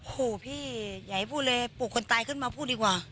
โหพี่อย่าให้พูดเลยปลูกคนตายขึ้นมาพูดดีกว่า